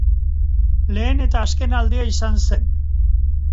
Lehen eta azken aldia izan zen.